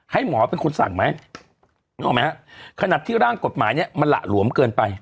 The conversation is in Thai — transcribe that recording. ให้หมอเป็นคนสั่งไหมจรวงขนาดที่ร่างกฎหมายมันหละหลวมเกินไป